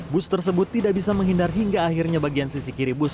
bus tersebut tidak bisa menghindar hingga akhirnya bagian sisi kiri bus